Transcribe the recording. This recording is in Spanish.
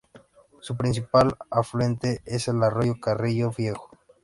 Su principal afluente es el arroyo Carrillo Viejo.